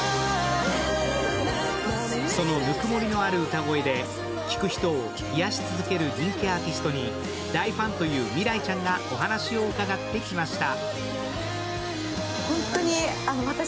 その温もりのある歌声で聴く人を癒し続ける人気アーティストに大ファンという未来ちゃんがお話を伺ってきました。